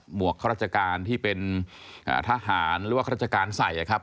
หวกข้าราชการที่เป็นทหารหรือว่าข้าราชการใส่ครับ